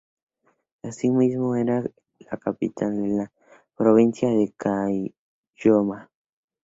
Asimismo era la capital de la provincia de Caylloma.